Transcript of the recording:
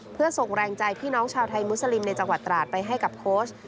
เพื่อส่งแรงใจพี่น้องชาวไทยมุสลิมในจังหวัดตราดไปให้กับโค้ช